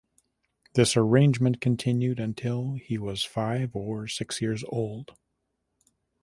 This arrangement continued until he was five or six years old.